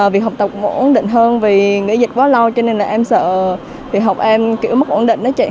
việc học tập cũng ổn định hơn vì nghỉ dịch quá lâu cho nên là em sợ việc học em mất ổn định